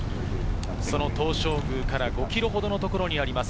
その東照宮から５ｋｍほどのところにあります。